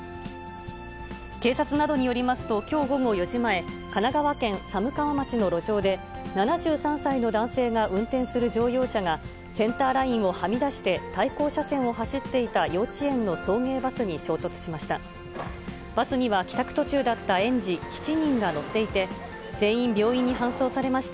警察などによりますと、きょう午後４時前、神奈川県寒川町の路上で、７３歳の男性が運転する乗用車が、センターラインをはみ出して対向車線を走っていた幼稚園の送迎バスに衝突しました。